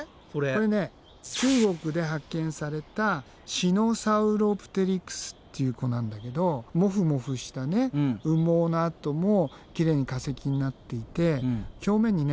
これね中国で発見されたシノサウロプテリクスっていう子なんだけどモフモフした羽毛のあともきれいに化石になっていて表面にね